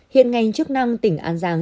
hiện ngành chức năng tỉnh an giang